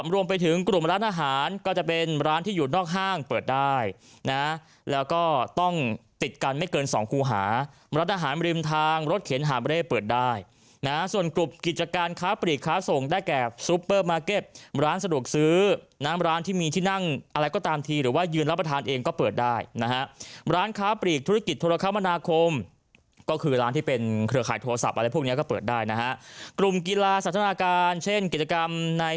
ร้านก็จะเป็นร้านที่อยู่นอกห้างเปิดได้นะแล้วก็ต้องติดกันไม่เกิน๒ครูหารัฐอาหารริมทางรถเข็นฮาร์เบอร์เรย์เปิดได้นะส่วนกลุ่มกิจการค้าปรีกค้าส่งได้แก่ซุปเปอร์มาร์เก็ตร้านสะดวกซื้อน้ำร้านที่มีที่นั่งอะไรก็ตามทีหรือว่ายืนรับประทานเองก็เปิดได้นะฮะร้านค้าปรีกธุรกิจธุรกรรม